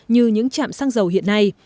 như những chạm xăng dầu hiện nay